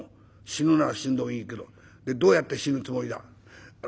死ぬなら死んでもいいけどでどうやって死ぬつもりだ？」。